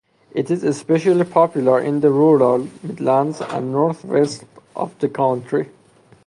It is especially popular in the rural Midlands and North-West of the country.